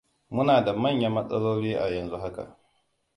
Muna da manyan matsaloli a yanzu haka.